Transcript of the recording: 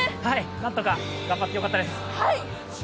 何とか、頑張ってよかったです。